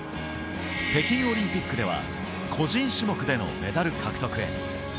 北京オリンピックでは個人種目でのメダル獲得へ。